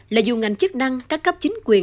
là dù ngành chức năng các cấp chính quyền